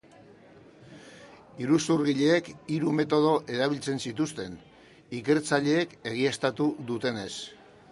Iruzurgileek hiru metodo erabiltzen zituzten, ikertzaileek egiaztatu dutenez.